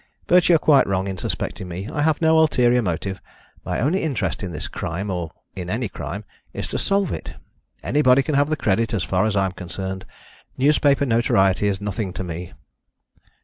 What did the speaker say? But you are quite wrong in suspecting me. I have no ulterior motive. My only interest in this crime or in any crime is to solve it. Anybody can have the credit, as far as I am concerned. Newspaper notoriety is nothing to me."